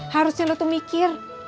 harusnya lu tuh mikir